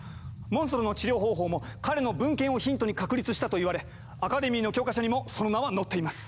モンストロの治療方法も彼の文献をヒントに確立したといわれアカデミーの教科書にもその名は載っています。